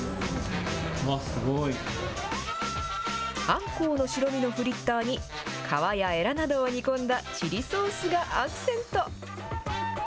アンコウの白身のフリッターに、皮やえらなどを煮込んだチリソースがアクセント。